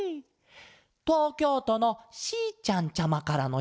とうきょうとのしーちゃんちゃまからのしつもんだケロ。